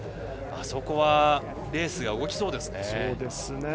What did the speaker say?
あそこはレースが動きそうですね。